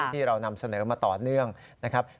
ที่เรานำเสนอมาต่อเนื่องนะครับ